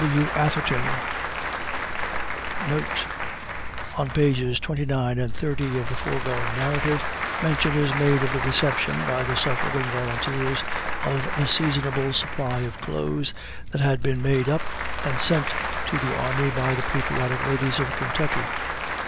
W. ATHERTON. Note. On pages 29 and 30 of the foregoing narrative, mention is made of the reception, by the suffering volunteers, of a seasonable supply of clothes that had been made up and sent to the army by the patriotic ladies of Kentucky.